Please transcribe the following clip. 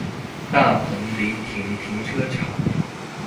大鵬臨停停車場